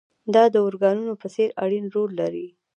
دا د ارګانونو په څېر اړين رول لري.